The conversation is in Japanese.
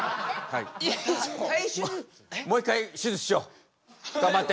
もう一回手術しよう！頑張って。